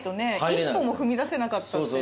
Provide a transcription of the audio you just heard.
一歩も踏み出せなかった。